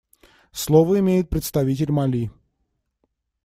Слово имеет представитель Мали.